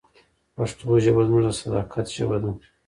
پښتو ژبه زموږ د صداقت ژبه ده.